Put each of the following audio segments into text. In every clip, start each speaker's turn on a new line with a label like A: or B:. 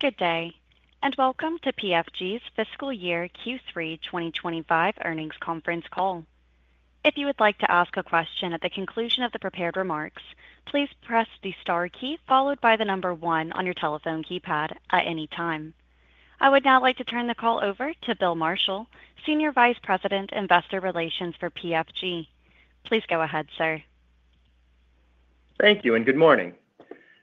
A: Good day, and welcome to PFG's Fiscal Year Q3 2025 Earnings Conference call. If you would like to ask a question at the conclusion of the prepared remarks, please press the star key followed by the number one on your telephone keypad at any time. I would now like to turn the call over to Bill Marshall, Senior Vice President, Investor Relations for PFG. Please go ahead, sir.
B: Thank you, and good morning.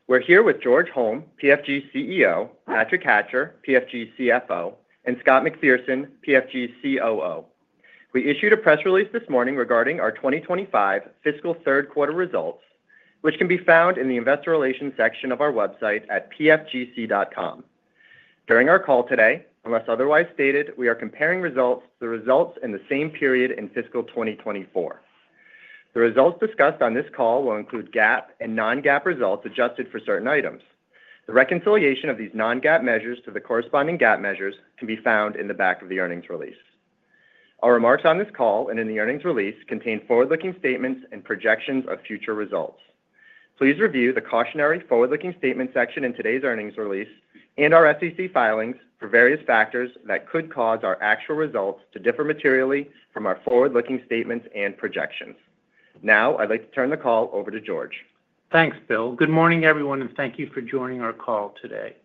B: We're here with George Holm, PFG CEO, Patrick Hatcher, PFG CFO, and Scott McPherson, PFG COO. We issued a press release this morning regarding our 2025 Fiscal Third Quarter results, which can be found in the Investor Relations section of our website at pfgc.com. During our call today, unless otherwise stated, we are comparing results to the results in the same period in Fiscal 2024. The results discussed on this call will include GAAP and non-GAAP results adjusted for certain items. The reconciliation of these non-GAAP measures to the corresponding GAAP measures can be found in the back of the earnings release. Our remarks on this call and in the earnings release contain forward-looking statements and projections of future results. Please review the cautionary forward-looking statement section in today's earnings release and our SEC filings for various factors that could cause our actual results to differ materially from our forward-looking statements and projections. Now, I'd like to turn the call over to George.
C: Thanks, Bill. Good morning, everyone, and thank you for joining our call today.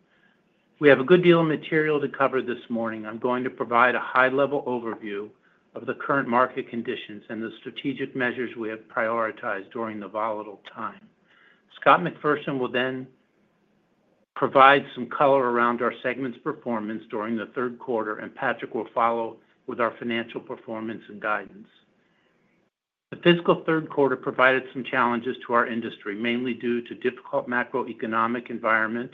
C: We have a good deal of material to cover this morning. I'm going to provide a high-level overview of the current market conditions and the strategic measures we have prioritized during the volatile time. Scott McPherson will then provide some color around our segment's performance during the third quarter, and Patrick will follow with our financial performance and guidance. The fiscal third quarter provided some challenges to our industry, mainly due to the difficult macroeconomic environment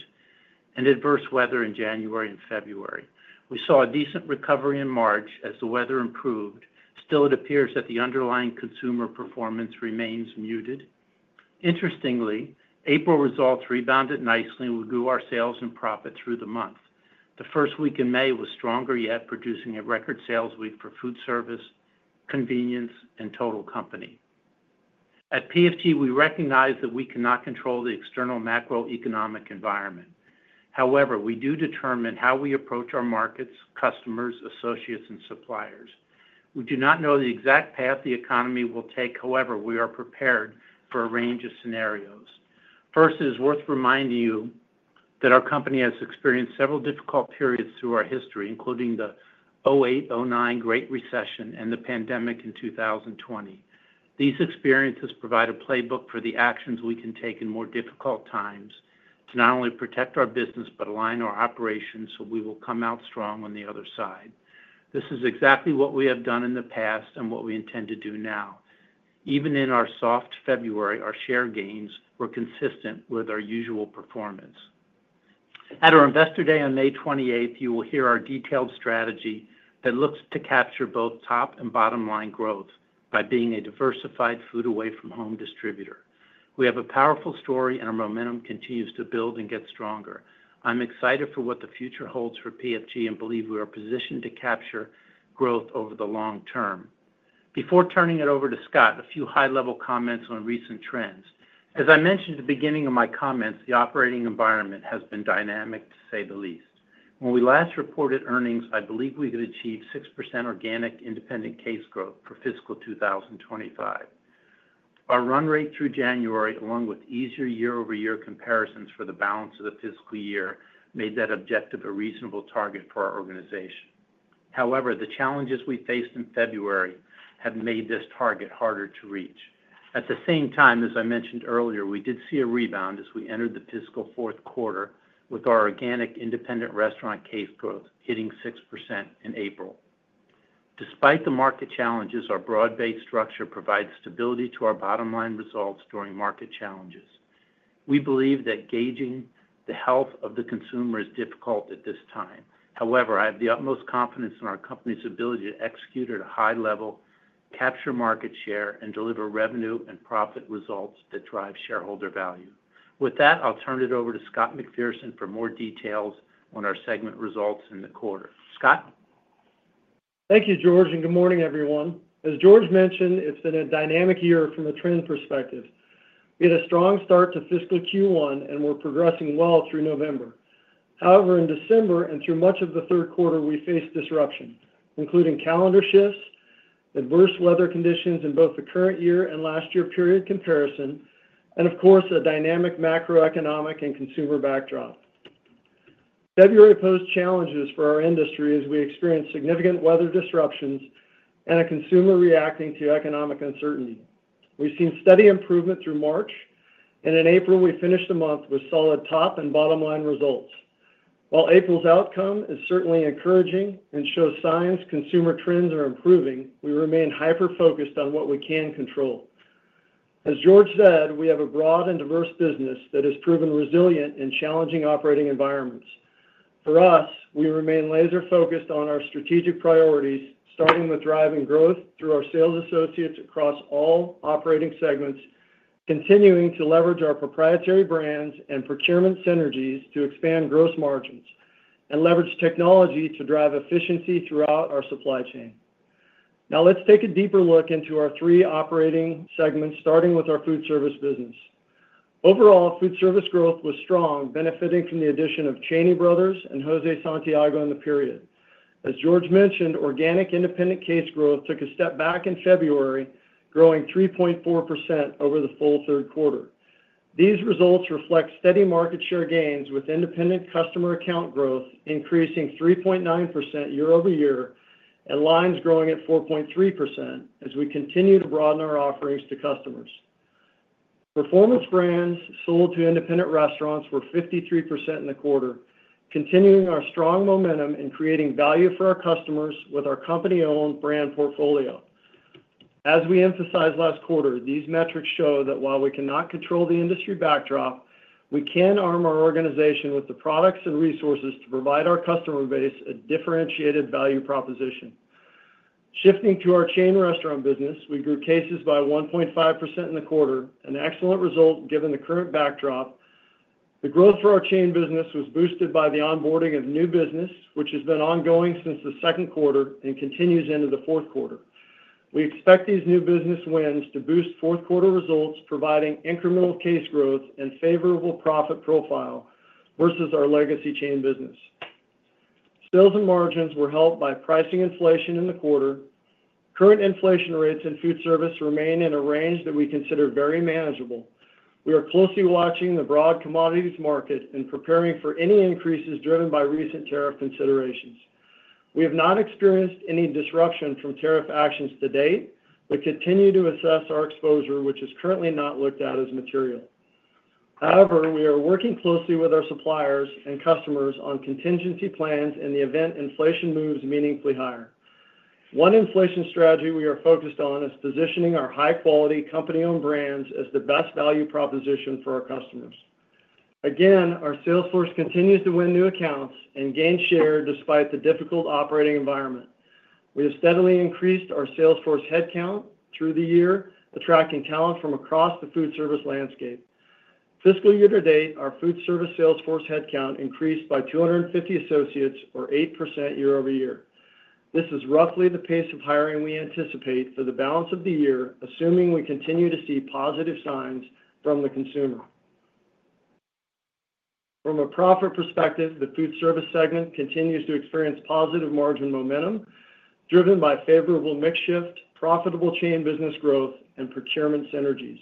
C: and adverse weather in January and February. We saw a decent recovery in March as the weather improved. Still, it appears that the underlying consumer performance remains muted. Interestingly, April results rebounded nicely and grew our sales and profit through the month. The first week in May was stronger, yet producing a record sales week for foodservice, convenience, and total company. At PFG, we recognize that we cannot control the external macroeconomic environment. However, we do determine how we approach our markets, customers, associates, and suppliers. We do not know the exact path the economy will take; however, we are prepared for a range of scenarios. First, it is worth reminding you that our company has experienced several difficult periods through our history, including the 2008-2009 Great Recession and the pandemic in 2020. These experiences provide a playbook for the actions we can take in more difficult times to not only protect our business but align our operations so we will come out strong on the other side. This is exactly what we have done in the past and what we intend to do now. Even in our soft February, our share gains were consistent with our usual performance. At our Investor Day on May 28th, you will hear our detailed strategy that looks to capture both top and bottom-line growth by being a diversified food-away-from-home distributor. We have a powerful story, and our momentum continues to build and get stronger. I'm excited for what the future holds for PFG and believe we are positioned to capture growth over the long term. Before turning it over to Scott, a few high-level comments on recent trends. As I mentioned at the beginning of my comments, the operating environment has been dynamic, to say the least. When we last reported earnings, I believe we had achieved 6% organic independent case growth for fiscal 2025. Our run rate through January, along with easier year-over-year comparisons for the balance of the fiscal year, made that objective a reasonable target for our organization. However, the challenges we faced in February have made this target harder to reach. At the same time, as I mentioned earlier, we did see a rebound as we entered the fiscal fourth quarter with our organic independent restaurant case growth hitting 6% in April. Despite the market challenges, our broad-based structure provides stability to our bottom-line results during market challenges. We believe that gauging the health of the consumer is difficult at this time. However, I have the utmost confidence in our company's ability to execute at a high level, capture market share, and deliver revenue and profit results that drive shareholder value. With that, I'll turn it over to Scott McPherson for more details on our segment results in the quarter. Scott.
D: Thank you, George, and good morning, everyone. As George mentioned, it's been a dynamic year from a trend perspective. We had a strong start to fiscal Q1, and we're progressing well through November. However, in December and through much of the third quarter, we faced disruption, including calendar shifts, adverse weather conditions in both the current year and last year period comparison, and, of course, a dynamic macroeconomic and consumer backdrop. February posed challenges for our industry as we experienced significant weather disruptions and a consumer reacting to economic uncertainty. We've seen steady improvement through March, and in April, we finished the month with solid top and bottom-line results. While April's outcome is certainly encouraging and shows signs consumer trends are improving, we remain hyper-focused on what we can control. As George said, we have a broad and diverse business that has proven resilient in challenging operating environments. For us, we remain laser-focused on our strategic priorities, starting with driving growth through our sales associates across all operating segments, continuing to leverage our proprietary brands and procurement synergies to expand gross margins, and leverage technology to drive efficiency throughout our supply chain. Now, let's take a deeper look into our three operating segments, starting with our foodservice business. Overall, foodservice growth was strong, benefiting from the addition of Cheney Brothers and Jose Santiago in the period. As George mentioned, organic independent case growth took a step back in February, growing 3.4% over the full third quarter. These results reflect steady market share gains with independent customer account growth increasing 3.9% year-over-year and lines growing at 4.3% as we continue to broaden our offerings to customers. Performance brands sold to independent restaurants were 53% in the quarter, continuing our strong momentum and creating value for our customers with our company-owned brand portfolio. As we emphasized last quarter, these metrics show that while we cannot control the industry backdrop, we can arm our organization with the products and resources to provide our customer base a differentiated value proposition. Shifting to our chain restaurant business, we grew cases by 1.5% in the quarter, an excellent result given the current backdrop. The growth for our chain business was boosted by the onboarding of new business, which has been ongoing since the second quarter and continues into the fourth quarter. We expect these new business wins to boost fourth quarter results, providing incremental case growth and favorable profit profile versus our legacy chain business. Sales and margins were helped by pricing inflation in the quarter. Current inflation rates in foodservice remain in a range that we consider very manageable. We are closely watching the broad commodities market and preparing for any increases driven by recent tariff considerations. We have not experienced any disruption from tariff actions to date. We continue to assess our exposure, which is currently not looked at as material. However, we are working closely with our suppliers and customers on contingency plans in the event inflation moves meaningfully higher. One inflation strategy we are focused on is positioning our high-quality company-owned brands as the best value proposition for our customers. Again, our Salesforce continues to win new accounts and gain share despite the difficult operating environment. We have steadily increased our Salesforce headcount through the year, attracting talent from across the foodservice landscape. Fiscal year to date, our foodservice Salesforce headcount increased by 250 associates, or 8% year-over-year. This is roughly the pace of hiring we anticipate for the balance of the year, assuming we continue to see positive signs from the consumer. From a profit perspective, the foodservice segment continues to experience positive margin momentum driven by favorable mix shift, profitable chain business growth, and procurement synergies.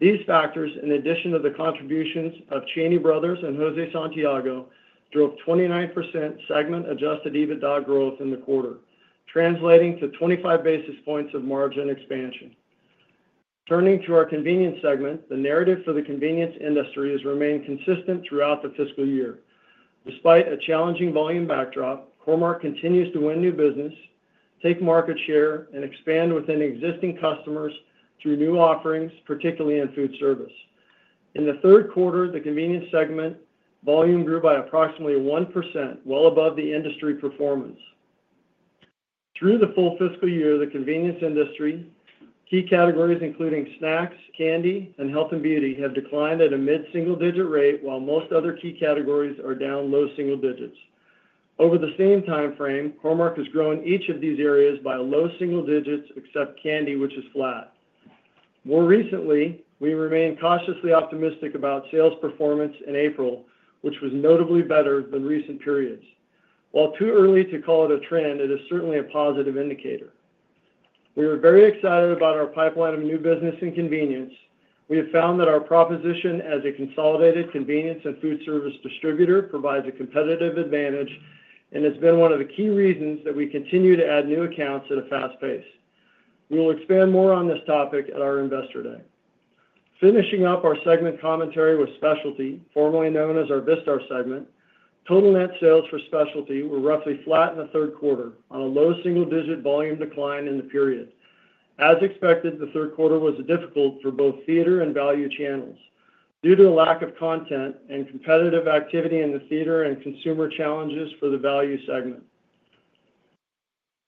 D: These factors, in addition to the contributions of Cheney Brothers and Jose Santiago, drove 29% segment-adjusted EBITDA growth in the quarter, translating to 25 basis points of margin expansion. Turning to our convenience segment, the narrative for the convenience industry has remained consistent throughout the fiscal year. Despite a challenging volume backdrop, Cormor continues to win new business, take market share, and expand within existing customers through new offerings, particularly in foodservice. In the third quarter, the convenience segment volume grew by approximately 1%, well above the industry performance. Through the full fiscal year, the convenience industry key categories, including snacks, candy, and health and beauty, have declined at a mid-single-digit rate, while most other key categories are down low single digits. Over the same time frame, Cormor has grown each of these areas by low single digits, except candy, which is flat. More recently, we remain cautiously optimistic about sales performance in April, which was notably better than recent periods. While too early to call it a trend, it is certainly a positive indicator. We are very excited about our pipeline of new business and convenience. We have found that our proposition as a consolidated convenience and foodservice distributor provides a competitive advantage and has been one of the key reasons that we continue to add new accounts at a fast pace. We will expand more on this topic at our Investor Day. Finishing up our segment commentary with specialty, formerly known as our Vistar segment, total net sales for specialty were roughly flat in the third quarter on a low single-digit volume decline in the period. As expected, the third quarter was difficult for both theater and value channels due to a lack of content and competitive activity in the theater and consumer challenges for the value segment.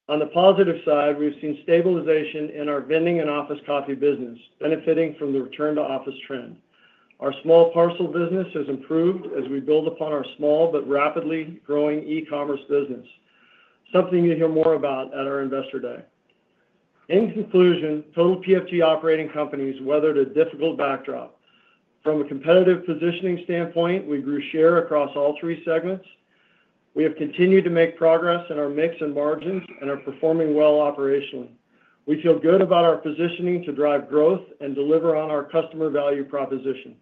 D: On the positive side, we've seen stabilization in our vending and office coffee business, benefiting from the return-to-office trend. Our small parcel business has improved as we build upon our small but rapidly growing e-commerce business, something you will hear more about at our Investor Day. In conclusion, total PFG operating companies weathered a difficult backdrop. From a competitive positioning standpoint, we grew share across all three segments. We have continued to make progress in our mix and margins and are performing well operationally. We feel good about our positioning to drive growth and deliver on our customer value proposition.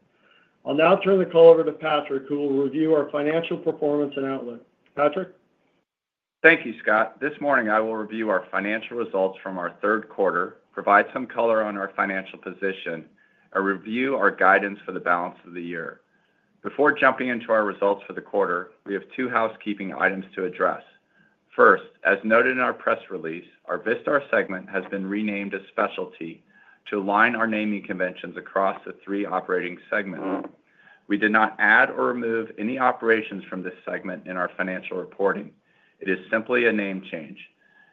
D: I'll now turn the call over to Patrick, who will review our financial performance and outlook. Patrick?
E: Thank you, Scott. This morning, I will review our financial results from our third quarter, provide some color on our financial position, and review our guidance for the balance of the year. Before jumping into our results for the quarter, we have two housekeeping items to address. First, as noted in our press release, our Vistar segment has been renamed as specialty to align our naming conventions across the three operating segments. We did not add or remove any operations from this segment in our financial reporting. It is simply a name change.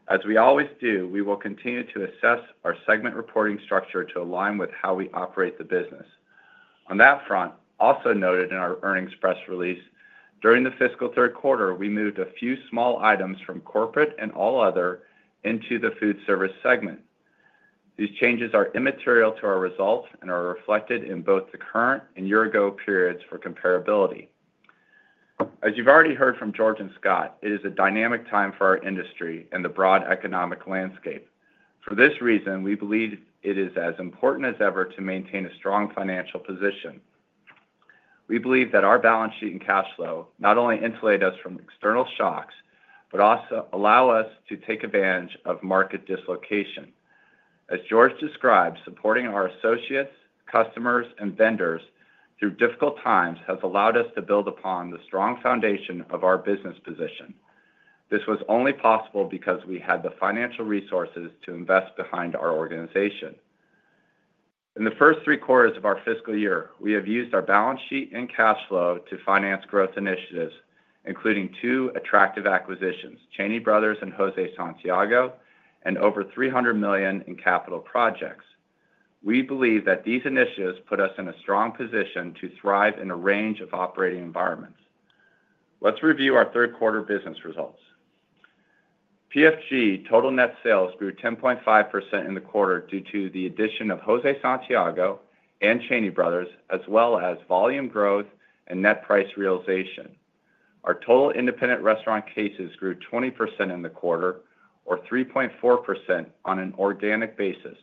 E: As we always do, we will continue to assess our segment reporting structure to align with how we operate the business. On that front, also noted in our earnings press release, during the fiscal third quarter, we moved a few small items from corporate and all other into the foodservice segment. These changes are immaterial to our results and are reflected in both the current and year-ago periods for comparability. As you've already heard from George and Scott, it is a dynamic time for our industry and the broad economic landscape. For this reason, we believe it is as important as ever to maintain a strong financial position. We believe that our balance sheet and cash flow not only insulate us from external shocks but also allow us to take advantage of market dislocation. As George described, supporting our associates, customers, and vendors through difficult times has allowed us to build upon the strong foundation of our business position. This was only possible because we had the financial resources to invest behind our organization. In the first three quarters of our fiscal year, we have used our balance sheet and cash flow to finance growth initiatives, including two attractive acquisitions, Cheney Brothers and José Santiago, and over $300 million in capital projects. We believe that these initiatives put us in a strong position to thrive in a range of operating environments. Let's review our third quarter business results. PFG total net sales grew 10.5% in the quarter due to the addition of José Santiago and Cheney Brothers, as well as volume growth and net price realization. Our total independent restaurant cases grew 20% in the quarter, or 3.4% on an organic basis.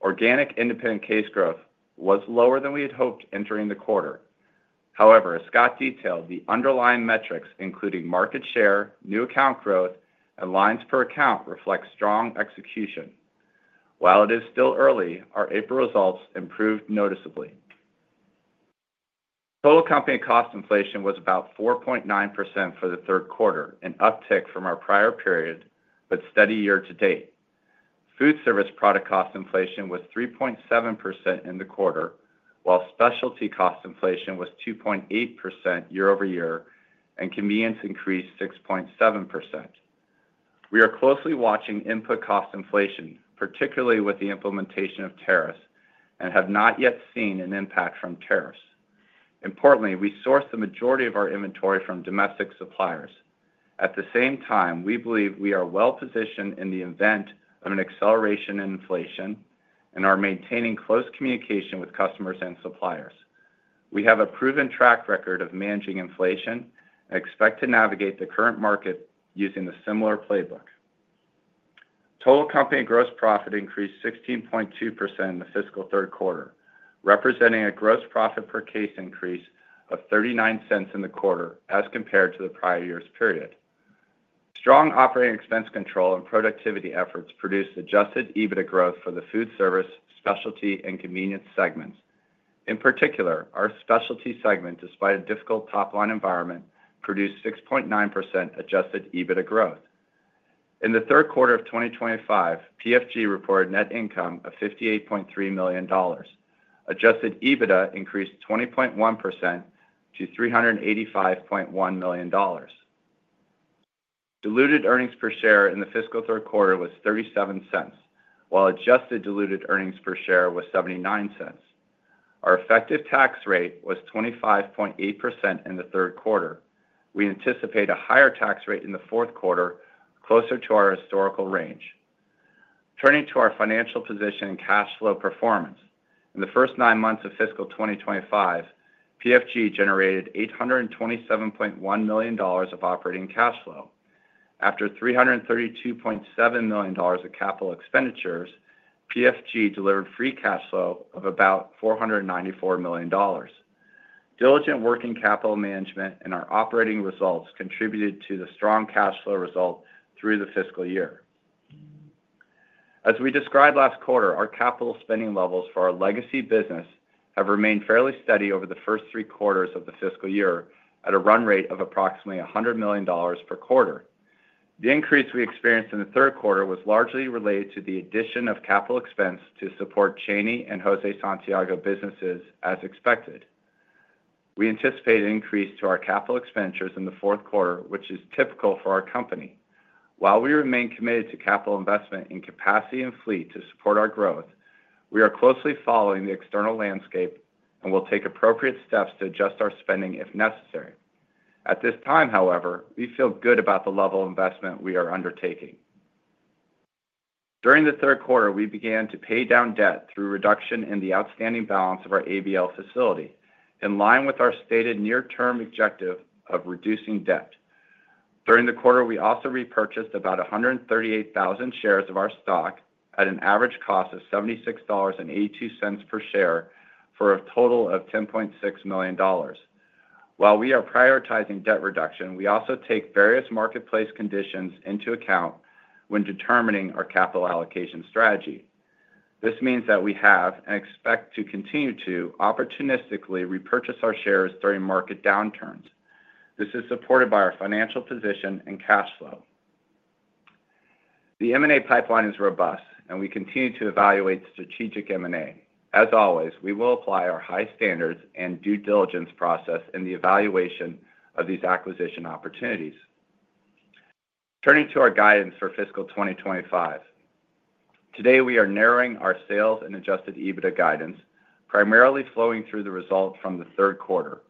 E: Organic independent case growth was lower than we had hoped entering the quarter. However, as Scott detailed, the underlying metrics, including market share, new account growth, and lines per account, reflect strong execution. While it is still early, our April results improved noticeably. Total company cost inflation was about 4.9% for the third quarter, an uptick from our prior period but steady year to date. Foodservice product cost inflation was 3.7% in the quarter, while specialty cost inflation was 2.8% year-over-year, and convenience increased 6.7%. We are closely watching input cost inflation, particularly with the implementation of tariffs, and have not yet seen an impact from tariffs. Importantly, we source the majority of our inventory from domestic suppliers. At the same time, we believe we are well positioned in the event of an acceleration in inflation and are maintaining close communication with customers and suppliers. We have a proven track record of managing inflation and expect to navigate the current market using a similar playbook. Total company gross profit increased 16.2% in the fiscal third quarter, representing a gross profit per case increase of 39 cents in the quarter as compared to the prior year's period. Strong operating expense control and productivity efforts produced adjusted EBITDA growth for the foodservice, specialty, and convenience segments. In particular, our specialty segment, despite a difficult top-line environment, produced 6.9% adjusted EBITDA growth. In the third quarter of 2025, PFG reported net income of $58.3 million. Adjusted EBITDA increased 25.1% to $385.1 million. Diluted earnings per share in the fiscal third quarter was 37 cents, while adjusted diluted earnings per share was 79 cents. Our effective tax rate was 25.8% in the third quarter. We anticipate a higher tax rate in the fourth quarter, closer to our historical range. Turning to our financial position and cash flow performance, in the first nine months of fiscal 2025, PFG generated $827.1 million of operating cash flow. After $332.7 million of capital expenditures, PFG delivered free cash flow of about $494 million. Diligent working capital management and our operating results contributed to the strong cash flow result through the fiscal year. As we described last quarter, our capital spending levels for our legacy business have remained fairly steady over the first three quarters of the fiscal year at a run rate of approximately $100 million per quarter. The increase we experienced in the third quarter was largely related to the addition of capital expense to support Cheney Brothers and Jose Santiago businesses, as expected. We anticipate an increase to our capital expenditures in the fourth quarter, which is typical for our company. While we remain committed to capital investment in capacity and fleet to support our growth, we are closely following the external landscape and will take appropriate steps to adjust our spending if necessary. At this time, however, we feel good about the level of investment we are undertaking. During the third quarter, we began to pay down debt through reduction in the outstanding balance of our ABL facility, in line with our stated near-term objective of reducing debt. During the quarter, we also repurchased about 138,000 shares of our stock at an average cost of $76.82 per share for a total of $10.6 million. While we are prioritizing debt reduction, we also take various marketplace conditions into account when determining our capital allocation strategy. This means that we have and expect to continue to opportunistically repurchase our shares during market downturns. This is supported by our financial position and cash flow. The M&A pipeline is robust, and we continue to evaluate strategic M&A. As always, we will apply our high standards and due diligence process in the evaluation of these acquisition opportunities. Turning to our guidance for fiscal 2025, today we are narrowing our sales and adjusted EBITDA guidance, primarily flowing through the result from the third quarter.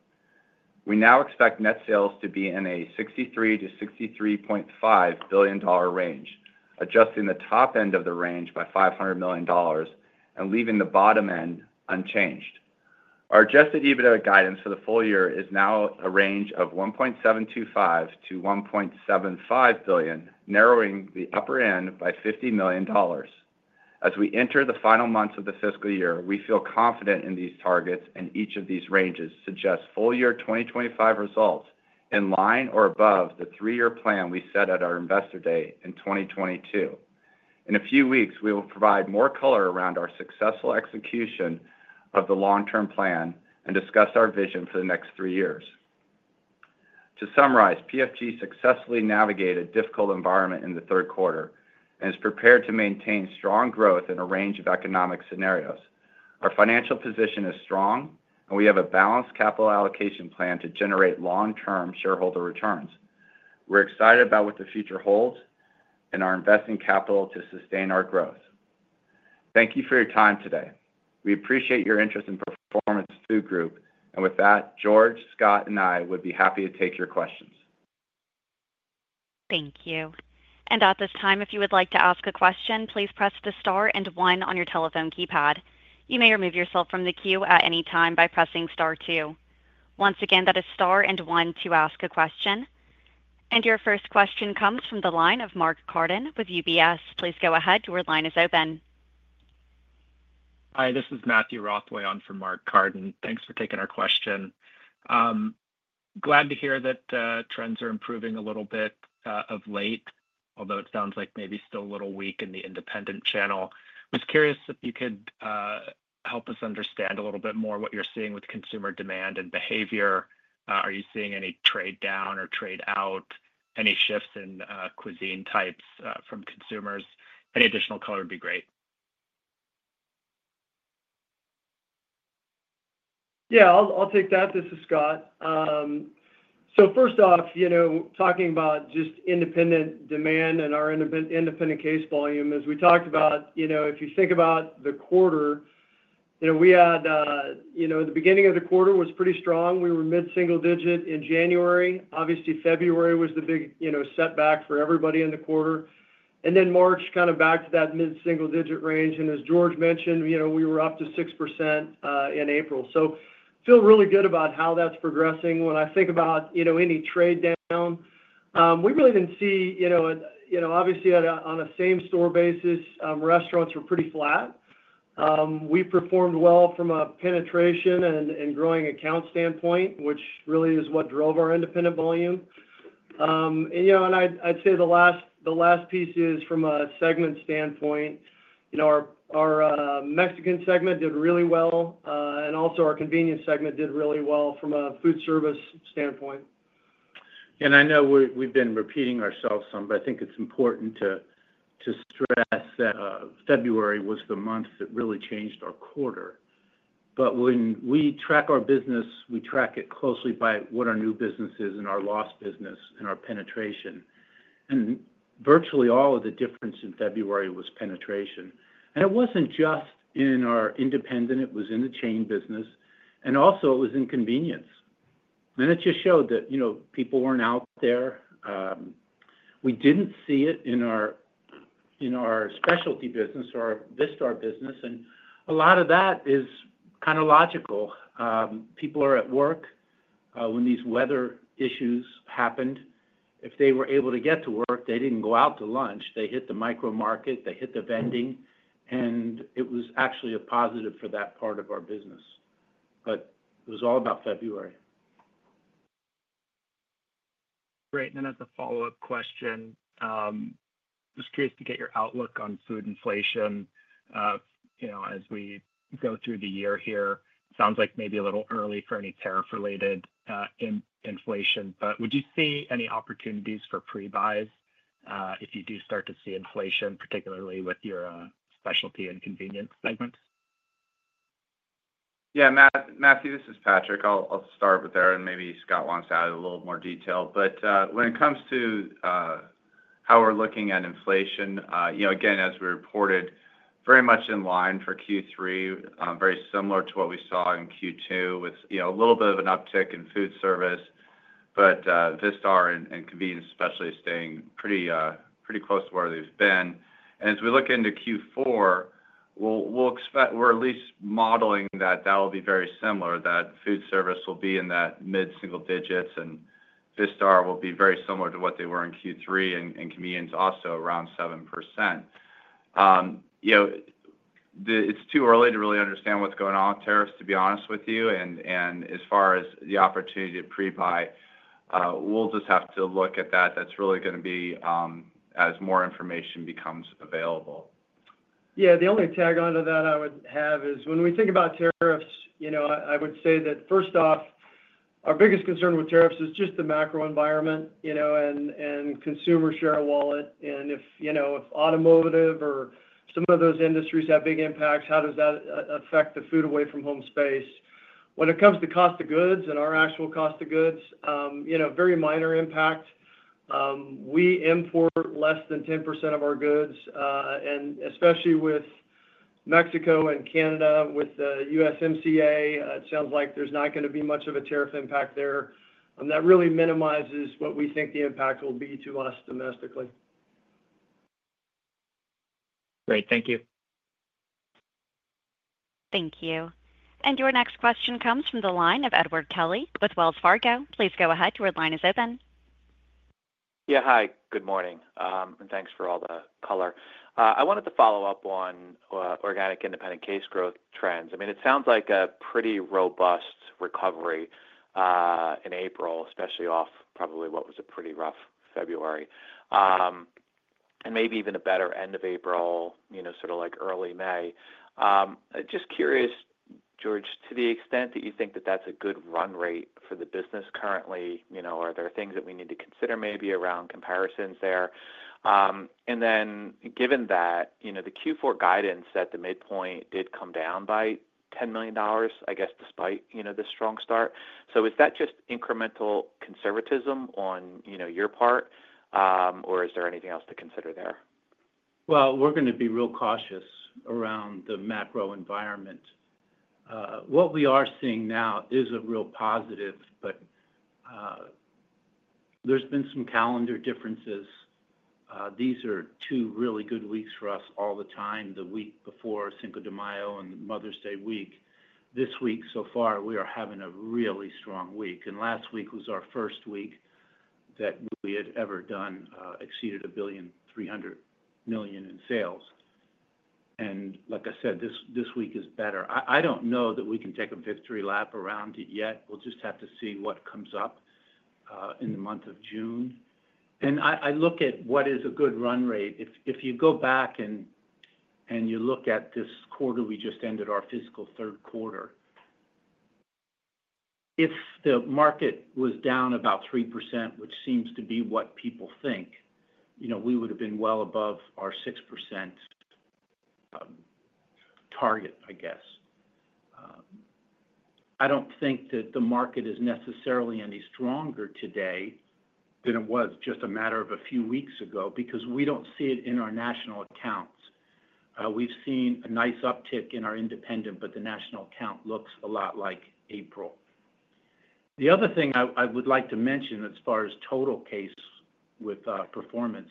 E: We now expect net sales to be in a $63 billion-$63.5 billion range, adjusting the top end of the range by $500 million and leaving the bottom end unchanged. Our adjusted EBITDA guidance for the full year is now a range of $1.725 billion-$1.75 billion, narrowing the upper end by $50 million. As we enter the final months of the fiscal year, we feel confident in these targets, and each of these ranges suggests full year 2025 results in line or above the three-year plan we set at our Investor Day in 2022. In a few weeks, we will provide more color around our successful execution of the long-term plan and discuss our vision for the next three years. To summarize, PFG successfully navigated a difficult environment in the third quarter and is prepared to maintain strong growth in a range of economic scenarios. Our financial position is strong, and we have a balanced capital allocation plan to generate long-term shareholder returns. We're excited about what the future holds and our investing capital to sustain our growth. Thank you for your time today. We appreciate your interest in Performance Food Group, and with that, George, Scott, and I would be happy to take your questions.
A: Thank you. At this time, if you would like to ask a question, please press the star and one on your telephone keypad. You may remove yourself from the queue at any time by pressing star two. Once again, that is star and one to ask a question. Your first question comes from the line of Mark Carden with UBS. Please go ahead. Your line is open.
F: Hi, this is Matthew Rothway. I'm from Mark Carden. Thanks for taking our question. Glad to hear that trends are improving a little bit of late, although it sounds like maybe still a little weak in the independent channel. I was curious if you could help us understand a little bit more what you're seeing with consumer demand and behavior. Are you seeing any trade down or trade out, any shifts in cuisine types from consumers? Any additional color would be great.
D: Yeah, I'll take that. This is Scott. First off, talking about just independent demand and our independent case volume, as we talked about, if you think about the quarter, we had the beginning of the quarter was pretty strong. We were mid-single digit in January. Obviously, February was the big setback for everybody in the quarter. March kind of back to that mid-single digit range. As George mentioned, we were up to 6% in April. I feel really good about how that's progressing. When I think about any trade down, we really did not see, obviously on a same-store basis, restaurants were pretty flat. We performed well from a penetration and growing account standpoint, which really is what drove our independent volume. I'd say the last piece is from a segment standpoint. Our Mexican segment did really well, and also our convenience segment did really well from a foodservice standpoint.
C: I know we've been repeating ourselves some, but I think it's important to stress that February was the month that really changed our quarter. When we track our business, we track it closely by what our new business is and our lost business and our penetration. Virtually all of the difference in February was penetration. It wasn't just in our independent. It was in the chain business. It was in convenience. It just showed that people weren't out there. We didn't see it in our specialty business or our Vistar business. A lot of that is kind of logical. People are at work when these weather issues happened. If they were able to get to work, they didn't go out to lunch. They hit the micro-market. They hit the vending. It was actually a positive for that part of our business. It was all about February.
F: Great. As a follow-up question, I was curious to get your outlook on food inflation as we go through the year here. It sounds like maybe a little early for any tariff-related inflation. Would you see any opportunities for pre-buys if you do start to see inflation, particularly with your specialty and convenience segments?
E: Yeah, Matthew, this is Patrick. I'll start with Erin, and maybe Scott wants to add a little more detail. When it comes to how we're looking at inflation, again, as we reported, very much in line for Q3, very similar to what we saw in Q2 with a little bit of an uptick in foodservice. Vistar and convenience especially staying pretty close to where they've been. As we look into Q4, we're at least modeling that that will be very similar, that foodservice will be in that mid-single digits, and Vistar will be very similar to what they were in Q3, and convenience also around 7%. It's too early to really understand what's going on with tariffs, to be honest with you. As far as the opportunity to pre-buy, we'll just have to look at that. That's really going to be as more information becomes available.
D: Yeah, the only tag on to that I would have is when we think about tariffs, I would say that first off, our biggest concern with tariffs is just the macro environment and consumer share wallet. If automotive or some of those industries have big impacts, how does that affect the food away from home space? When it comes to cost of goods and our actual cost of goods, very minor impact. We import less than 10% of our goods. Especially with Mexico and Canada with the USMCA, it sounds like there is not going to be much of a tariff impact there. That really minimizes what we think the impact will be to us domestically.
F: Great. Thank you.
A: Thank you. Your next question comes from the line of Edward Kelly with Wells Fargo. Please go ahead, the line is open.
G: Yeah, hi. Good morning. And thanks for all the color. I wanted to follow up on organic independent case growth trends. I mean, it sounds like a pretty robust recovery in April, especially off probably what was a pretty rough February, and maybe even a better end of April, sort of like early May. Just curious, George, to the extent that you think that that's a good run rate for the business currently, are there things that we need to consider maybe around comparisons there? And then given that the Q4 guidance at the midpoint did come down by $10 million, I guess, despite the strong start. Is that just incremental conservatism on your part, or is there anything else to consider there?
C: We're going to be real cautious around the macro environment. What we are seeing now is a real positive, but there's been some calendar differences. These are two really good weeks for us all the time, the week before Cinco de Mayo and Mother's Day week. This week, so far, we are having a really strong week. Last week was our first week that we had ever done exceeded $1.3 billion in sales. Like I said, this week is better. I don't know that we can take a victory lap around it yet. We'll just have to see what comes up in the month of June. I look at what is a good run rate. If you go back and you look at this quarter, we just ended our fiscal third quarter. If the market was down about 3%, which seems to be what people think, we would have been well above our 6% target, I guess. I do not think that the market is necessarily any stronger today than it was just a matter of a few weeks ago because we do not see it in our national accounts. We have seen a nice uptick in our independent, but the national account looks a lot like April. The other thing I would like to mention as far as total case with performance,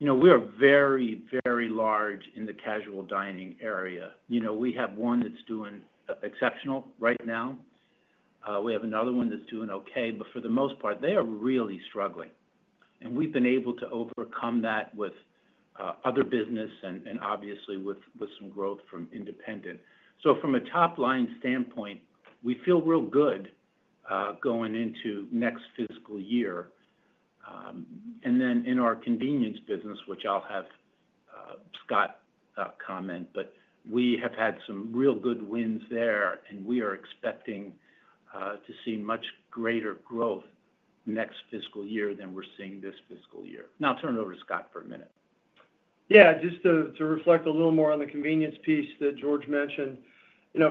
C: we are very, very large in the casual dining area. We have one that is doing exceptional right now. We have another one that is doing okay. For the most part, they are really struggling. We have been able to overcome that with other business and obviously with some growth from independent. From a top-line standpoint, we feel real good going into next fiscal year. In our convenience business, which I'll have Scott comment, we have had some real good wins there, and we are expecting to see much greater growth next fiscal year than we're seeing this fiscal year. Now, I'll turn it over to Scott for a minute.
D: Yeah, just to reflect a little more on the convenience piece that George mentioned.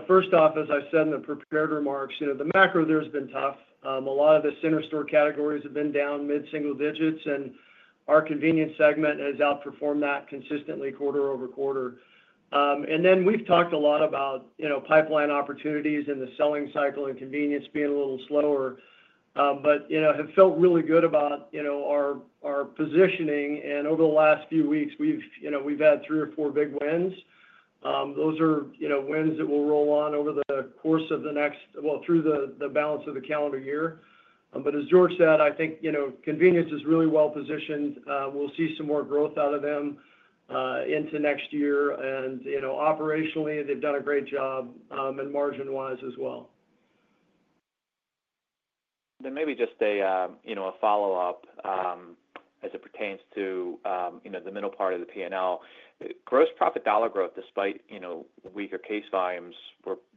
D: First off, as I said in the prepared remarks, the macro there has been tough. A lot of the center store categories have been down mid-single digits, and our convenience segment has outperformed that consistently quarter over quarter. We have talked a lot about pipeline opportunities and the selling cycle and convenience being a little slower, but have felt really good about our positioning. Over the last few weeks, we have had three or four big wins. Those are wins that will roll on over the course of the next, well, through the balance of the calendar year. As George said, I think convenience is really well positioned. We will see some more growth out of them into next year. Operationally, they have done a great job and margin-wise as well.
G: Maybe just a follow-up as it pertains to the middle part of the P&L. Gross profit dollar growth, despite weaker case volumes,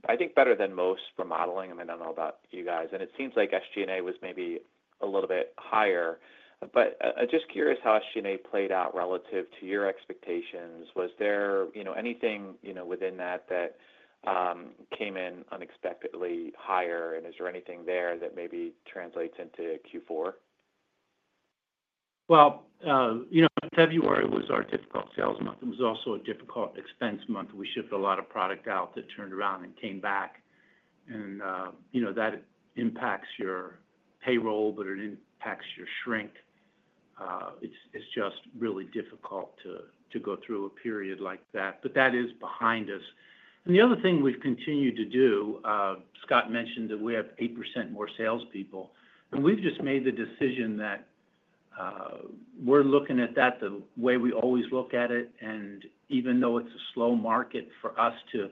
G: I think better than most for modeling. I mean, I don't know about you guys. It seems like SG&A was maybe a little bit higher. I'm just curious how SG&A played out relative to your expectations. Was there anything within that that came in unexpectedly higher? Is there anything there that maybe translates into Q4?
C: February was our difficult sales month. It was also a difficult expense month. We shipped a lot of product out that turned around and came back. That impacts your payroll, but it impacts your shrink. It's just really difficult to go through a period like that. That is behind us. The other thing we've continued to do, Scott mentioned that we have 8% more salespeople. We've just made the decision that we're looking at that the way we always look at it. Even though it's a slow market, for us to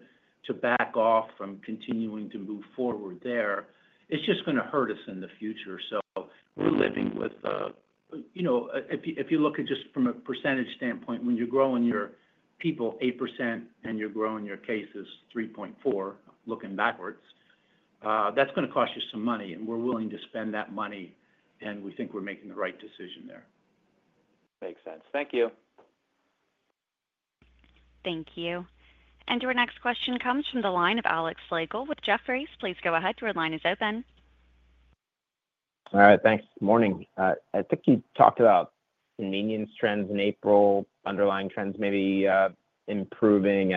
C: back off from continuing to move forward there, it's just going to hurt us in the future. We're living with the if you look at just from a percentage standpoint, when you're growing your people 8% and you're growing your cases 3.4, looking backwards, that's going to cost you some money. We're willing to spend that money. We think we're making the right decision there.
G: Makes sense. Thank you.
A: Thank you. Your next question comes from the line of Alex Slagle with Jefferies. Please go ahead. Your line is open.
H: All right. Thanks. Morning. I think you talked about convenience trends in April, underlying trends maybe improving.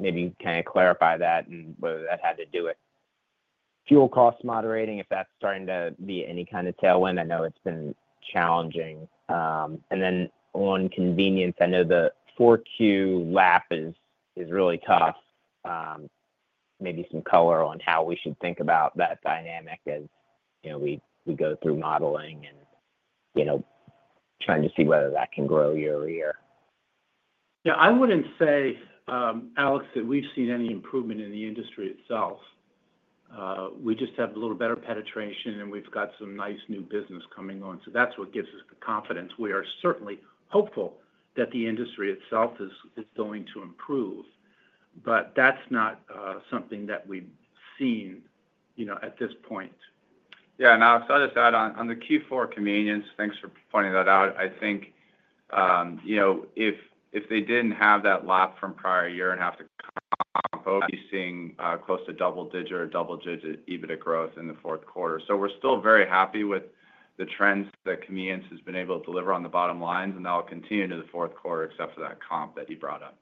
H: Maybe you can kind of clarify that and whether that had to do with fuel costs moderating, if that's starting to be any kind of tailwind. I know it's been challenging. On convenience, I know the 4Q lap is really tough. Maybe some color on how we should think about that dynamic as we go through modeling and trying to see whether that can grow year over year.
C: Yeah, I would not say, Alex, that we have seen any improvement in the industry itself. We just have a little better penetration, and we have got some nice new business coming on. That is what gives us the confidence. We are certainly hopeful that the industry itself is going to improve. That is not something that we have seen at this point.
E: Yeah. Alex, I'll just add on the Q4 convenience, thanks for pointing that out. I think if they didn't have that lap from prior year and have to comp, we'd be seeing close to double-digit or double-digit EBITDA growth in the fourth quarter. We're still very happy with the trends that convenience has been able to deliver on the bottom lines. That'll continue into the fourth quarter except for that comp that you brought up.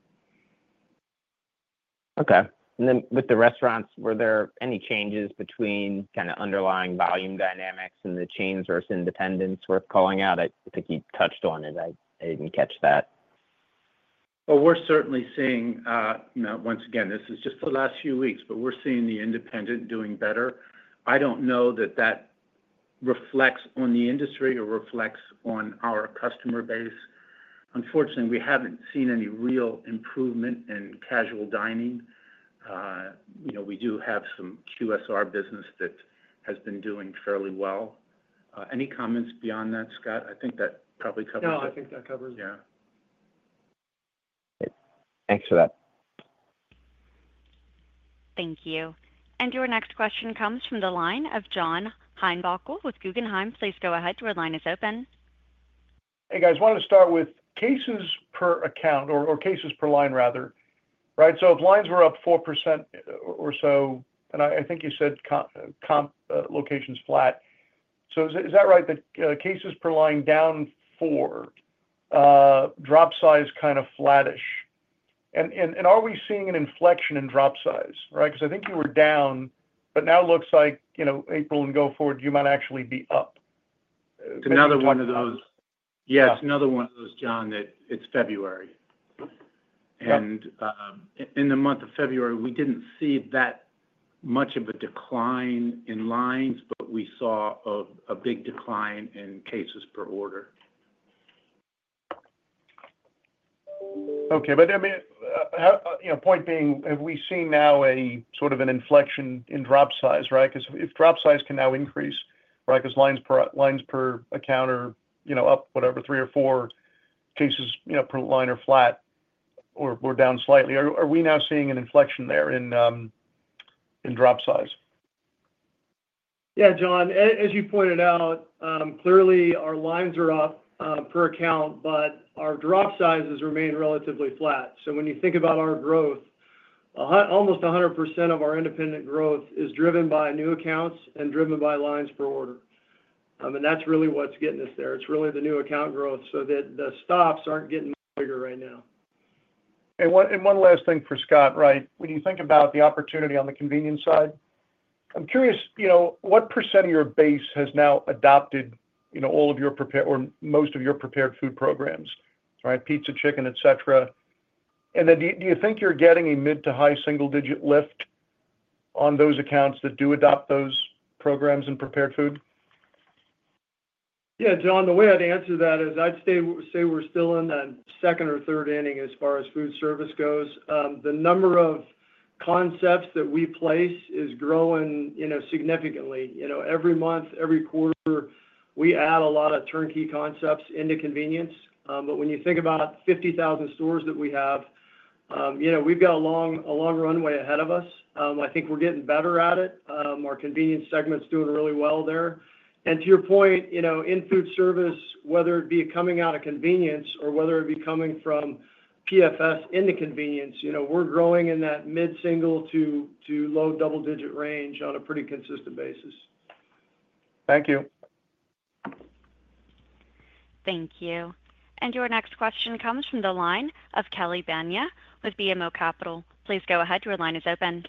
H: Okay. With the restaurants, were there any changes between kind of underlying volume dynamics and the chains versus independents worth calling out? I think you touched on it. I didn't catch that.
C: We are certainly seeing once again, this is just the last few weeks, but we are seeing the independent doing better. I do not know that that reflects on the industry or reflects on our customer base. Unfortunately, we have not seen any real improvement in casual dining. We do have some QSR business that has been doing fairly well. Any comments beyond that, Scott? I think that probably covers it.
D: Yeah, I think that covers it.
H: Yeah. Thanks for that.
A: Thank you. Your next question comes from the line of John Heinbockel with Guggenheim. Please go ahead. The line is open.
I: Hey, guys. I wanted to start with cases per account or cases per line, rather. Right? So if lines were up 4% or so, and I think you said comp locations flat. Is that right that cases per line down 4%, drop size kind of flattish? Are we seeing an inflection in drop size? Right? I think you were down, but now it looks like April and go forward, you might actually be up.
C: It's another one of those. Yeah, it's another one of those, John, that it's February. In the month of February, we didn't see that much of a decline in lines, but we saw a big decline in cases per order.
I: Okay. I mean, point being, have we seen now a sort of an inflection in drop size? Right? Because if drop size can now increase, right, because lines per account are up, whatever, three or four cases per line are flat or down slightly, are we now seeing an inflection there in drop size?
D: Yeah, John. As you pointed out, clearly, our lines are up per account, but our drop sizes remain relatively flat. When you think about our growth, almost 100% of our independent growth is driven by new accounts and driven by lines per order. I mean, that's really what's getting us there. It's really the new account growth so that the stops aren't getting bigger right now.
I: One last thing for Scott, right? When you think about the opportunity on the convenience side, I am curious, what percent of your base has now adopted all of your or most of your prepared food programs? Right? Pizza, chicken, etc. And then do you think you are getting a mid to high single-digit lift on those accounts that do adopt those programs and prepared food?
D: Yeah, John, the way I'd answer that is I'd say we're still in the second or third inning as far as foodservice goes. The number of concepts that we place is growing significantly. Every month, every quarter, we add a lot of turnkey concepts into convenience. When you think about 50,000 stores that we have, we've got a long runway ahead of us. I think we're getting better at it. Our convenience segment's doing really well there. To your point, in foodservice, whether it be coming out of convenience or whether it be coming from PFS into convenience, we're growing in that mid-single to low double-digit range on a pretty consistent basis.
I: Thank you.
A: Thank you. Your next question comes from the line of Kelly Bania with BMO Capital. Please go ahead, the line is open.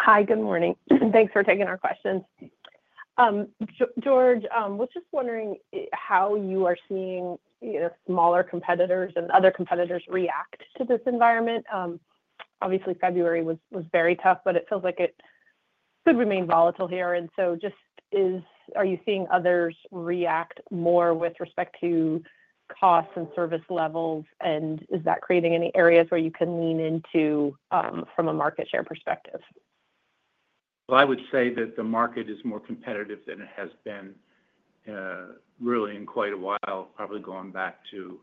J: Hi, good morning. Thanks for taking our questions. George, was just wondering how you are seeing smaller competitors and other competitors react to this environment. Obviously, February was very tough, but it feels like it could remain volatile here. Just are you seeing others react more with respect to costs and service levels? Is that creating any areas where you can lean into from a market share perspective?
C: I would say that the market is more competitive than it has been really in quite a while, probably going back to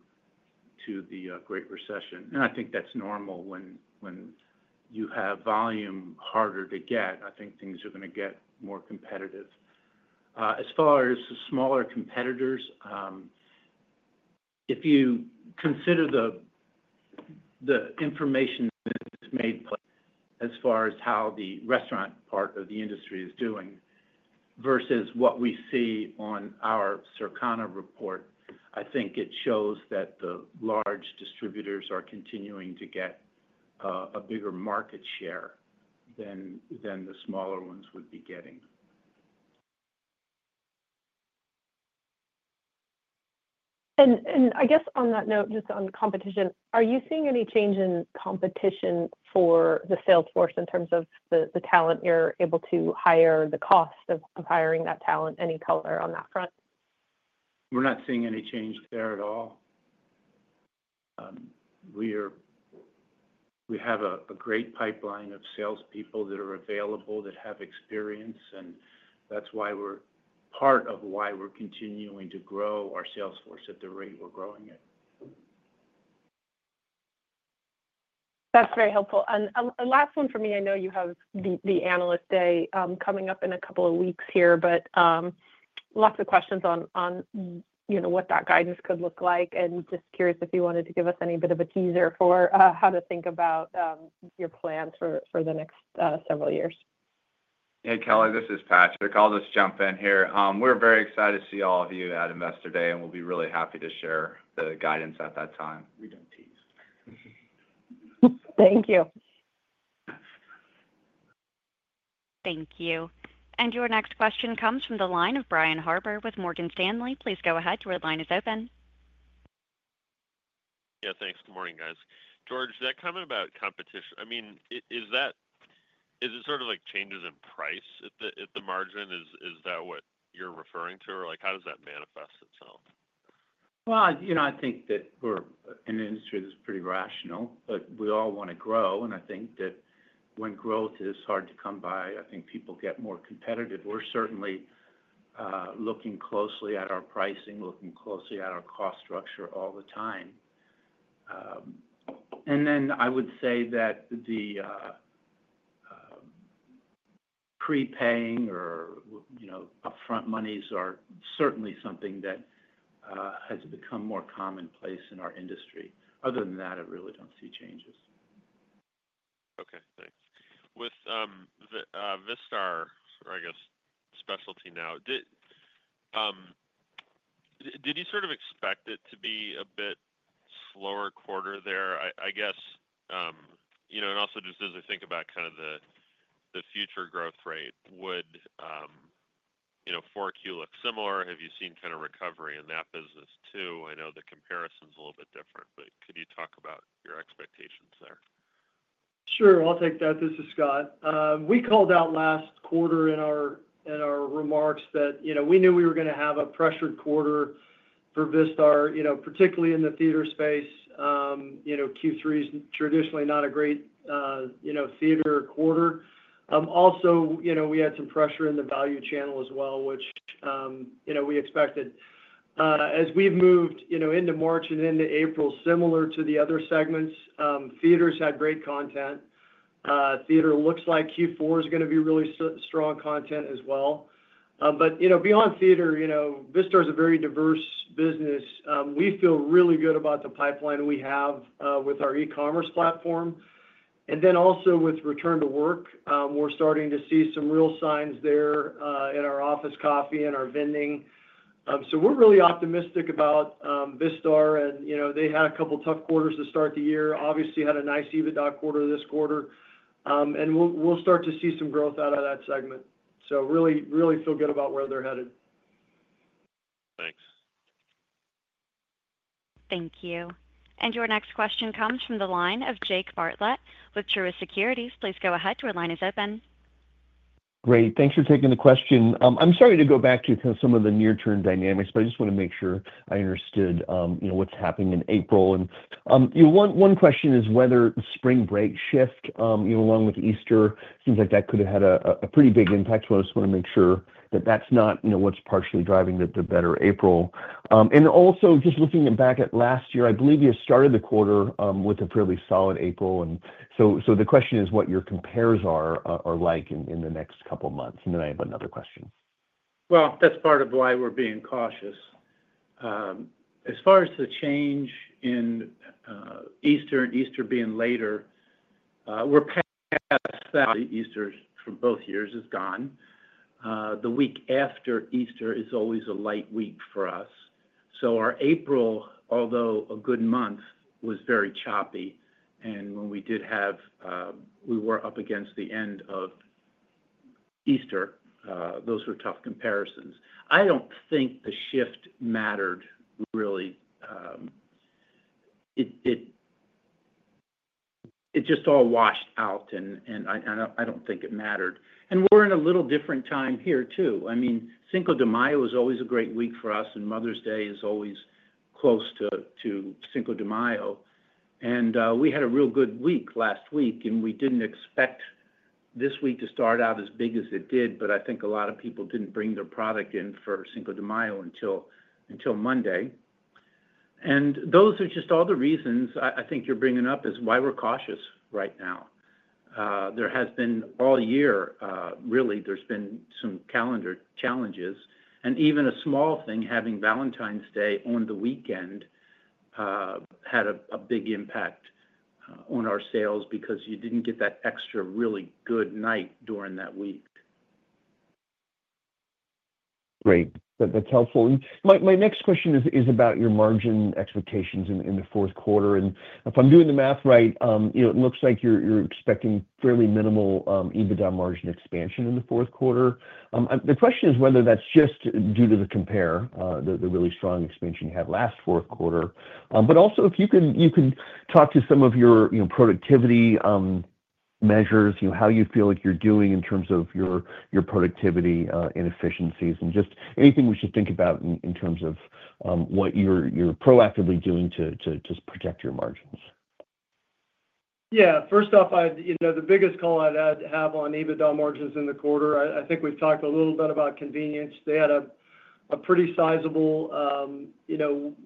C: the Great Recession. I think that's normal when you have volume harder to get. I think things are going to get more competitive. As far as smaller competitors, if you consider the information that's made as far as how the restaurant part of the industry is doing versus what we see on our Circana report, I think it shows that the large distributors are continuing to get a bigger market share than the smaller ones would be getting.
J: I guess on that note, just on competition, are you seeing any change in competition for the sales force in terms of the talent you're able to hire, the cost of hiring that talent, any color on that front?
C: We're not seeing any change there at all. We have a great pipeline of salespeople that are available that have experience. That is why we're part of why we're continuing to grow our sales force at the rate we're growing it.
J: That's very helpful. Last one for me, I know you have the analyst day coming up in a couple of weeks here, but lots of questions on what that guidance could look like. Just curious if you wanted to give us any bit of a teaser for how to think about your plans for the next several years.
E: Hey, Kelly, this is Patrick. I'll just jump in here. We're very excited to see all of you at Investor Day, and we'll be really happy to share the guidance at that time.
C: We do not tease.
J: Thank you.
A: Thank you. Your next question comes from the line of Brian Harper with Morgan Stanley. Please go ahead. The line is open.
K: Yeah, thanks. Good morning, guys. George, that comment about competition, I mean, is that, is it sort of like changes in price at the margin? Is that what you're referring to? Or how does that manifest itself?
C: I think that we're in an industry that's pretty rational, but we all want to grow. I think that when growth is hard to come by, people get more competitive. We're certainly looking closely at our pricing, looking closely at our cost structure all the time. I would say that the prepaying or upfront monies are certainly something that has become more commonplace in our industry. Other than that, I really don't see changes.
K: Okay. Thanks. With Vistar, I guess, specialty now, did you sort of expect it to be a bit slower quarter there? I guess, and also just as I think about kind of the future growth rate, would Q4 look similar? Have you seen kind of recovery in that business too? I know the comparison's a little bit different, but could you talk about your expectations there?
D: Sure. I'll take that. This is Scott. We called out last quarter in our remarks that we knew we were going to have a pressured quarter for Vistar, particularly in the theater space. Q3 is traditionally not a great theater quarter. Also, we had some pressure in the value channel as well, which we expected. As we've moved into March and into April, similar to the other segments, theaters had great content. Theater looks like Q4 is going to be really strong content as well. Beyond theater, Vistar is a very diverse business. We feel really good about the pipeline we have with our e-commerce platform. Also with return to work, we're starting to see some real signs there in our office coffee and our vending. We are really optimistic about Vistar. They had a couple of tough quarters to start the year. Obviously, had a nice EBITDA quarter this quarter. We will start to see some growth out of that segment. Really, really feel good about where they're headed.
K: Thanks.
A: Thank you. Your next question comes from the line of Jake Bartlett with William Blair. Please go ahead, the line is open.
L: Great. Thanks for taking the question. I'm sorry to go back to some of the near-term dynamics, but I just want to make sure I understood what's happening in April. One question is whether spring break shift along with Easter, seems like that could have had a pretty big impact. I just want to make sure that that's not what's partially driving the better April. Also, just looking back at last year, I believe you started the quarter with a fairly solid April. The question is what your compares are like in the next couple of months. I have another question.
C: That is part of why we are being cautious. As far as the change in Easter and Easter being later, we are past. Easter for both years is gone. The week after Easter is always a light week for us. Our April, although a good month, was very choppy. When we did have we were up against the end of Easter. Those were tough comparisons. I do not think the shift mattered, really. It just all washed out, and I do not think it mattered. We are in a little different time here too. I mean, Cinco de Mayo is always a great week for us, and Mother's Day is always close to Cinco de Mayo. We had a real good week last week, and we did not expect this week to start out as big as it did, but I think a lot of people did not bring their product in for Cinco de Mayo until Monday. Those are just all the reasons I think you are bringing up is why we are cautious right now. There has been all year, really, there have been some calendar challenges. Even a small thing, having Valentine's Day on the weekend, had a big impact on our sales because you did not get that extra really good night during that week.
L: Great. That's helpful. My next question is about your margin expectations in the fourth quarter. If I'm doing the math right, it looks like you're expecting fairly minimal EBITDA margin expansion in the fourth quarter. The question is whether that's just due to the compare, the really strong expansion you had last fourth quarter. Also, if you can talk to some of your productivity measures, how you feel like you're doing in terms of your productivity and efficiencies, and just anything we should think about in terms of what you're proactively doing to protect your margins.
D: Yeah. First off, the biggest call I'd have on EBITDA margins in the quarter, I think we've talked a little bit about convenience. They had a pretty sizable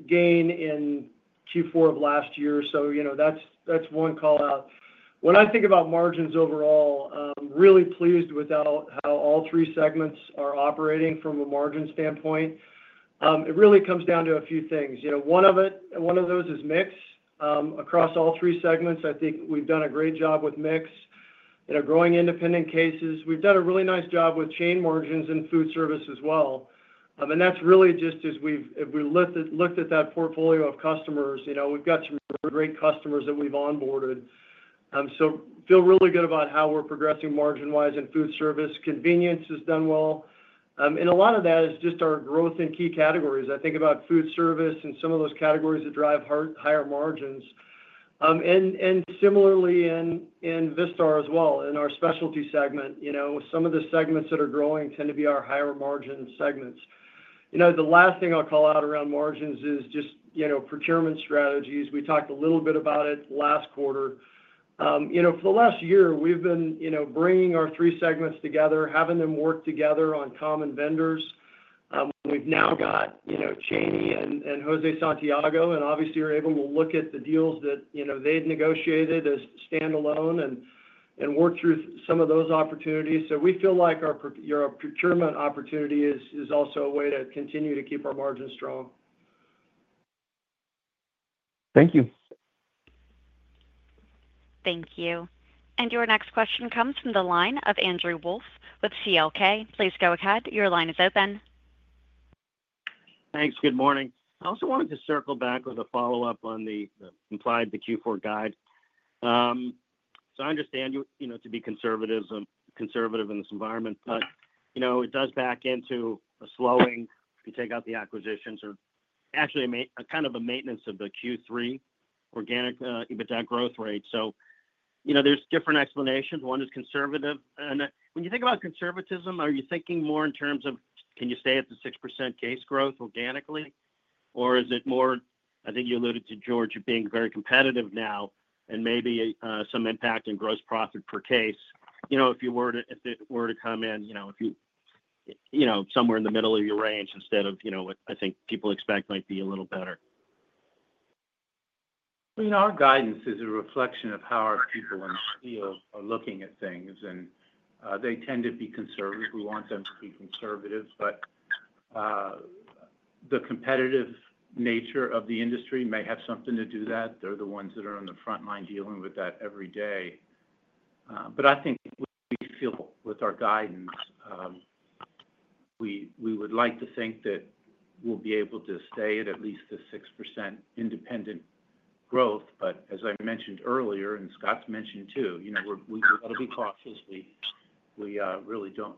D: gain in Q4 of last year. That's one call out. When I think about margins overall, really pleased with how all three segments are operating from a margin standpoint. It really comes down to a few things. One of those is mix across all three segments. I think we've done a great job with mix in our growing independent cases. We've done a really nice job with chain margins in foodservice as well. That's really just as we've looked at that portfolio of customers, we've got some great customers that we've onboarded. Feel really good about how we're progressing margin-wise in foodservice. Convenience has done well. A lot of that is just our growth in key categories. I think about foodservice and some of those categories that drive higher margins. Similarly, in Vistar as well, in our specialty segment, some of the segments that are growing tend to be our higher margin segments. The last thing I'll call out around margins is just procurement strategies. We talked a little bit about it last quarter. For the last year, we've been bringing our three segments together, having them work together on common vendors. We've now got Cheney Brothers and Jose Santiago. Obviously, you're able to look at the deals that they've negotiated as standalone and work through some of those opportunities. We feel like your procurement opportunity is also a way to continue to keep our margins strong.
L: Thank you.
A: Thank you. Your next question comes from the line of Andrew Wolf with CL King. Please go ahead. Your line is open.
M: Thanks. Good morning. I also wanted to circle back with a follow-up on the implied Q4 guide. I understand to be conservative in this environment, but it does back into a slowing if you take out the acquisitions or actually kind of a maintenance of the Q3 organic EBITDA growth rate. There are different explanations. One is conservative. When you think about conservatism, are you thinking more in terms of can you stay at the 6% case growth organically? Or is it more, I think you alluded to George, of being very competitive now and maybe some impact in gross profit per case if it were to come in somewhere in the middle of your range instead of what I think people expect might be a little better?
C: Our guidance is a reflection of how our people in the field are looking at things. They tend to be conservative. We want them to be conservative. The competitive nature of the industry may have something to do with that. They're the ones that are on the front line dealing with that every day. I think we feel with our guidance, we would like to think that we'll be able to stay at at least the 6% independent growth. As I mentioned earlier, and Scott's mentioned too, we've got to be cautious. We really don't,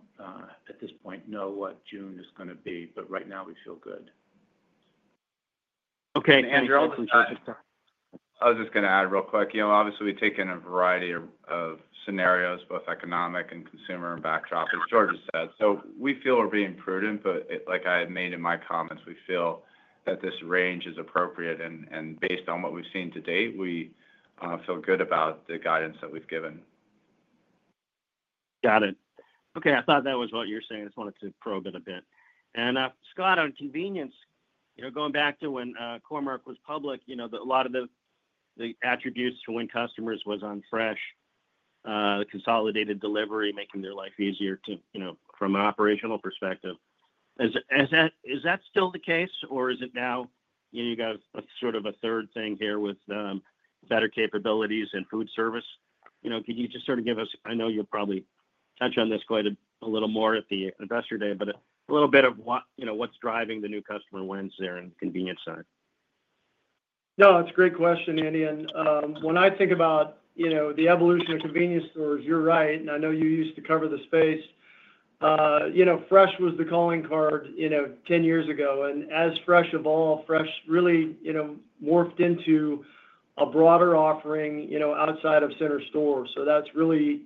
C: at this point, know what June is going to be. Right now, we feel good.
M: Okay.
E: Andrew, I was just going to add real quick. Obviously, we take in a variety of scenarios, both economic and consumer and backdrop, as George has said. We feel we are being prudent. Like I had made in my comments, we feel that this range is appropriate. Based on what we have seen to date, we feel good about the guidance that we have given.
M: Got it. Okay. I thought that was what you were saying. I just wanted to probe it a bit. Scott, on convenience, going back to when Cormor was public, a lot of the attributes to win customers was on fresh, consolidated delivery, making their life easier from an operational perspective. Is that still the case? Or is it now you got sort of a third thing here with better capabilities in foodservice? Could you just sort of give us, I know you'll probably touch on this quite a little more at the Investor Day, but a little bit of what's driving the new customer wins there in the convenience side?
D: No, it's a great question, Andy. When I think about the evolution of convenience stores, you're right. I know you used to cover the space. Fresh was the calling card 10 years ago. As Fresh evolved, Fresh really morphed into a broader offering outside of center stores. That's really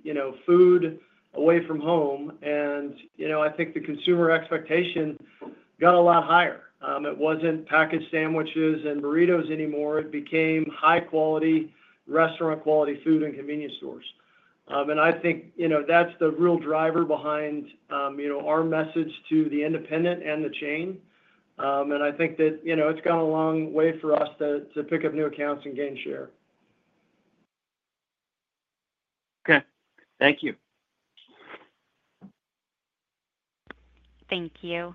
D: food away from home. I think the consumer expectation got a lot higher. It wasn't packaged sandwiches and burritos anymore. It became high-quality, restaurant-quality food in convenience stores. I think that's the real driver behind our message to the independent and the chain. I think that it's gone a long way for us to pick up new accounts and gain share.
M: Okay. Thank you.
A: Thank you.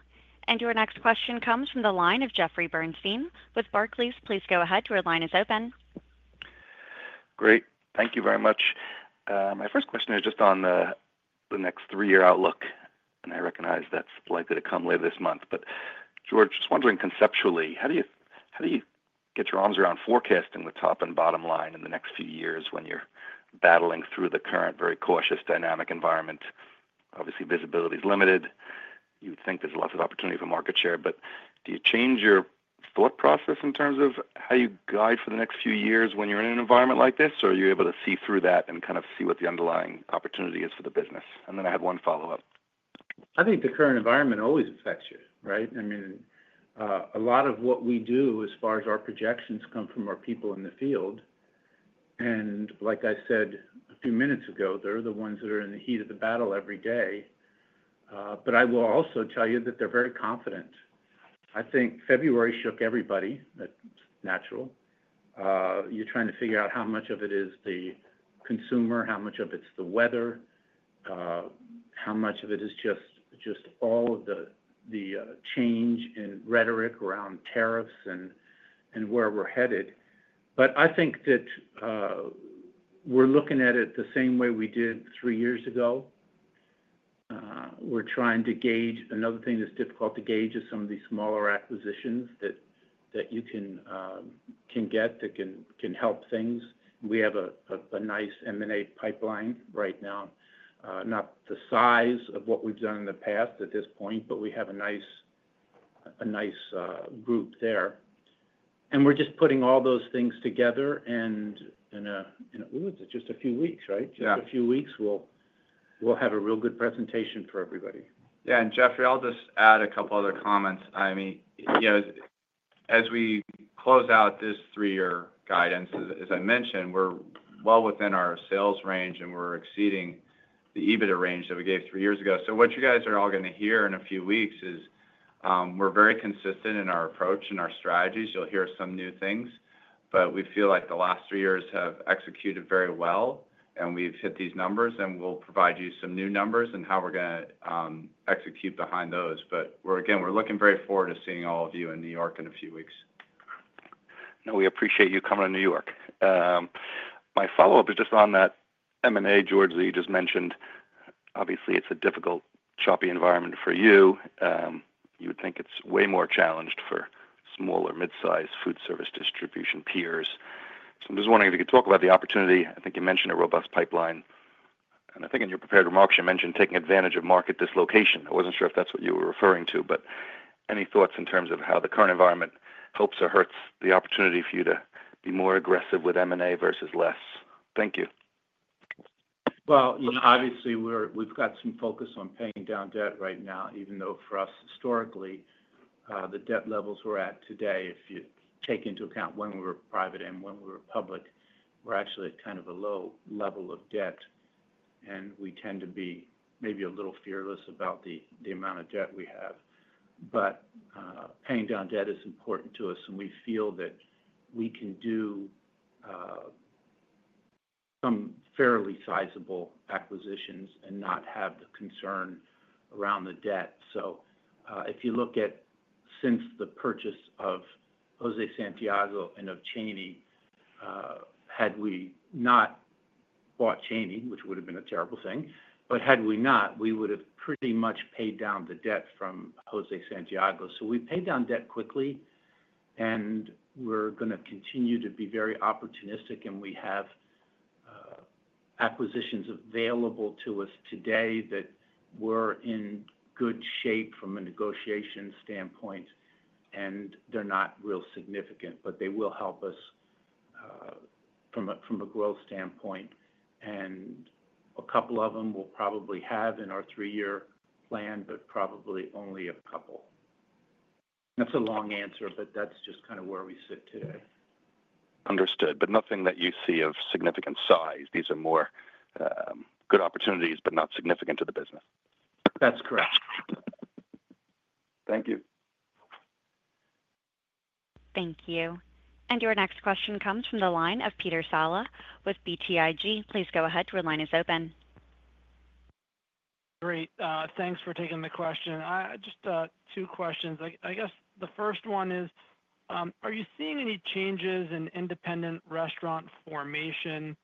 A: Your next question comes from the line of Jeffrey Bernstein with Barclays. Please go ahead. The line is open.
N: Great. Thank you very much. My first question is just on the next three-year outlook. I recognize that's likely to come later this month. George, just wondering conceptually, how do you get your arms around forecasting the top and bottom line in the next few years when you're battling through the current very cautious dynamic environment? Obviously, visibility is limited. You would think there's lots of opportunity for market share. Do you change your thought process in terms of how you guide for the next few years when you're in an environment like this? Are you able to see through that and kind of see what the underlying opportunity is for the business? I had one follow-up.
C: I think the current environment always affects you, right? I mean, a lot of what we do as far as our projections come from our people in the field. Like I said a few minutes ago, they're the ones that are in the heat of the battle every day. I will also tell you that they're very confident. I think February shook everybody. That's natural. You're trying to figure out how much of it is the consumer, how much of it is the weather, how much of it is just all of the change in rhetoric around tariffs and where we're headed. I think that we're looking at it the same way we did three years ago. We're trying to gauge another thing that's difficult to gauge is some of these smaller acquisitions that you can get that can help things. We have a nice M&A pipeline right now, not the size of what we've done in the past at this point, but we have a nice group there. We're just putting all those things together. In just a few weeks, right? Just a few weeks, we'll have a real good presentation for everybody.
D: Yeah. And Jeffrey, I'll just add a couple of other comments. I mean, as we close out this three-year guidance, as I mentioned, we're well within our sales range, and we're exceeding the EBITDA range that we gave three years ago. What you guys are all going to hear in a few weeks is we're very consistent in our approach and our strategies. You'll hear some new things. We feel like the last three years have executed very well. And we've hit these numbers. We'll provide you some new numbers and how we're going to execute behind those. Again, we're looking very forward to seeing all of you in New York in a few weeks.
N: No, we appreciate you coming to New York. My follow-up is just on that M&A George Lee just mentioned. Obviously, it's a difficult, choppy environment for you. You would think it's way more challenged for smaller, midsize foodservice distribution peers. So I'm just wondering if you could talk about the opportunity. I think you mentioned a robust pipeline. And I think in your prepared remarks, you mentioned taking advantage of market dislocation. I wasn't sure if that's what you were referring to. But any thoughts in terms of how the current environment helps or hurts the opportunity for you to be more aggressive with M&A versus less? Thank you.
C: Obviously, we've got some focus on paying down debt right now, even though for us, historically, the debt levels we're at today, if you take into account when we were private and when we were public, we're actually at kind of a low level of debt. We tend to be maybe a little fearless about the amount of debt we have. Paying down debt is important to us. We feel that we can do some fairly sizable acquisitions and not have the concern around the debt. If you look at since the purchase of Jose Santiago and of Cheney, had we not bought Cheney, which would have been a terrible thing, but had we not, we would have pretty much paid down the debt from Jose Santiago. We paid down debt quickly. We're going to continue to be very opportunistic. We have acquisitions available to us today that were in good shape from a negotiation standpoint. They are not real significant, but they will help us from a growth standpoint. A couple of them we will probably have in our three-year plan, but probably only a couple. That is a long answer, but that is just kind of where we sit today.
N: Understood. Nothing that you see of significant size. These are more good opportunities, but not significant to the business.
C: That's correct.
N: Thank you.
A: Thank you. Your next question comes from the line of Peter Saleh with BTIG. Please go ahead, the line is open.
O: Great. Thanks for taking the question. Just two questions. I guess the first one is, are you seeing any changes in independent restaurant formation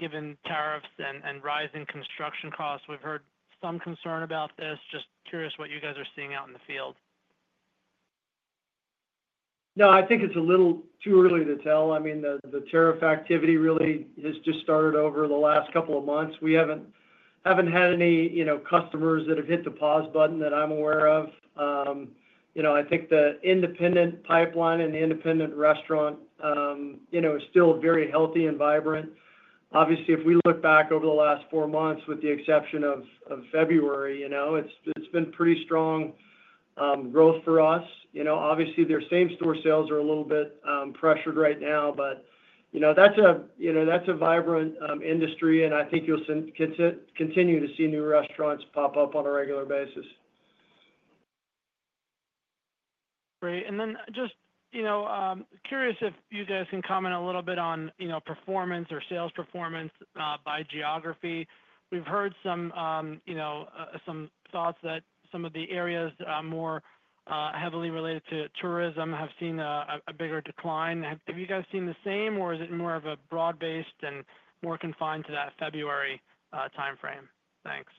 O: given tariffs and rising construction costs? We've heard some concern about this. Just curious what you guys are seeing out in the field.
D: No, I think it's a little too early to tell. I mean, the tariff activity really has just started over the last couple of months. We haven't had any customers that have hit the pause button that I'm aware of. I think the independent pipeline and the independent restaurant is still very healthy and vibrant. Obviously, if we look back over the last four months with the exception of February, it's been pretty strong growth for us. Obviously, their same-store sales are a little bit pressured right now. That's a vibrant industry. I think you'll continue to see new restaurants pop up on a regular basis.
O: Great. Just curious if you guys can comment a little bit on performance or sales performance by geography. We've heard some thoughts that some of the areas more heavily related to tourism have seen a bigger decline. Have you guys seen the same? Is it more of a broad-based and more confined to that February timeframe? Thanks.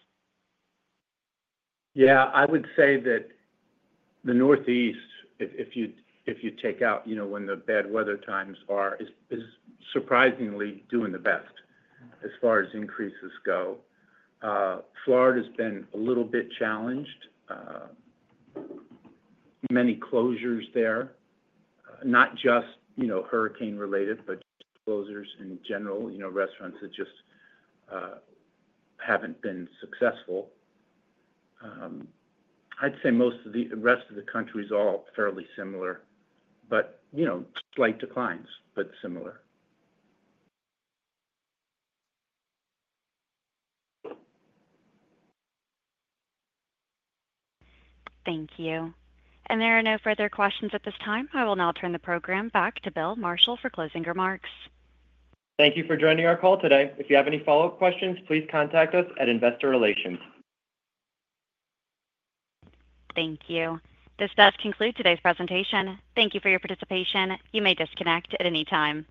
C: Yeah. I would say that the Northeast, if you take out when the bad weather times are, is surprisingly doing the best as far as increases go. Florida's been a little bit challenged. Many closures there, not just hurricane-related, but closures in general. Restaurants that just haven't been successful. I'd say most of the rest of the country is all fairly similar, but slight declines, but similar.
A: Thank you. There are no further questions at this time. I will now turn the program back to Bill Marshall for closing remarks.
B: Thank you for joining our call today. If you have any follow-up questions, please contact us at Investor Relations.
A: Thank you. This does conclude today's presentation. Thank you for your participation. You may disconnect at any time.